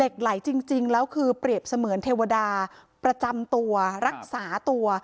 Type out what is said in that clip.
ไหลจริงแล้วคือเปรียบเสมือนเทวดาประจำตัวรักษาตัว